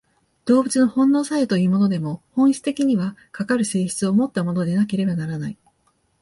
動物の本能作用というものでも、本質的には、かかる性質をもったものでなければならない。